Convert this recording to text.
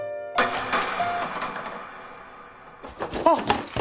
あっ！